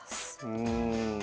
うん。